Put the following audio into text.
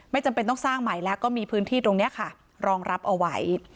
จำเป็นต้องสร้างใหม่แล้วก็มีพื้นที่ตรงนี้ค่ะรองรับเอาไว้